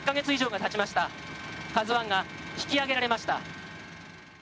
「ＫＡＺＵ１」が引き揚げられました。